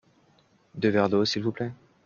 Deux verres d’eau s’il vous plait.